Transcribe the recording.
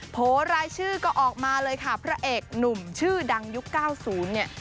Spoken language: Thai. รายชื่อก็ออกมาเลยค่ะพระเอกหนุ่มชื่อดังยุค๙๐เนี่ย